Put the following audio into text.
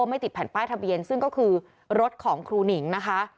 ไม่ติดแผ่นป้ายทะเบียนซึ่งก็คือรถของครูหนิงนะคะ